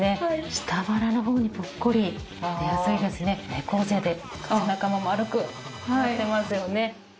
猫背で背中も丸くなってますよね。